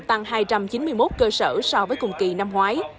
tăng hai trăm chín mươi một cơ sở so với cùng kỳ năm ngoái